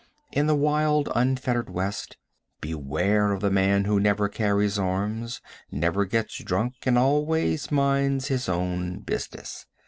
In the wild, unfettered West, beware of the man who never carries arms, never gets drunk and always minds his own business.